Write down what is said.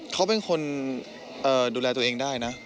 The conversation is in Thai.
เขาเป็นคนดูแลตัวเองได้นะ